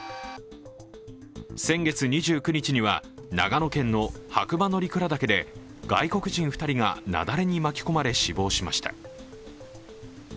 先月２９日には、長野県の白馬乗鞍岳で外国人２人が雪崩に巻き込まれ死亡しました。